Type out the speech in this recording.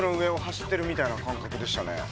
粘土の上を走ってるみたいな感覚でしたね。